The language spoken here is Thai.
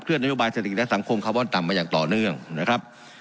นโยบายเศรษฐกิจและสังคมคาร์บอนต่ำมาอย่างต่อเนื่องนะครับ